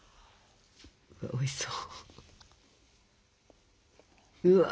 おいしそう。